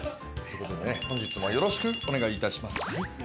本日もよろしくお願いいたします。